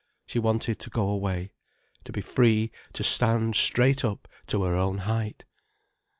She wanted to go away, to be free to stand straight up to her own height.